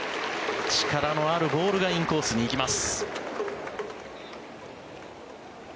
力のあるボールがインコースに行きます。